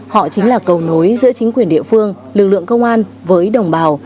họ chính là cầu nối giữa chính quyền địa phương lực lượng công an với đồng bào